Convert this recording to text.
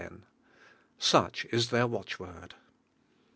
Such is their watchword.